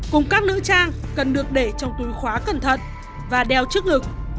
cùng các nữ trang cần được để trong túi khóa cẩn thận và đeo trước ngực